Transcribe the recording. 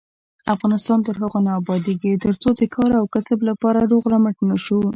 افغانستان تر هغو نه ابادیږي، ترڅو د کار او کسب لپاره روغ رمټ نشو.